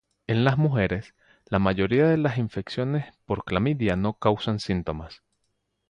En las mujeres, la mayoría de las infecciones por clamidia no causan síntomas.